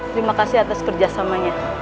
terima kasih atas kerja samanya